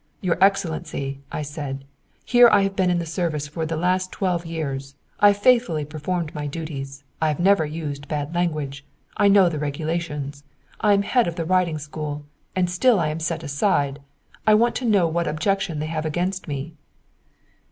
'Your Excellency,' I said, 'here have I been in the service for the last twelve years. I have faithfully performed my duties. I have never used bad language. I know the regulations. I am at the head of the riding school and still I am set aside. I want to know what objection they have against me.'"